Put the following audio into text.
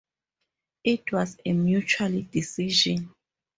It was a mutual decision.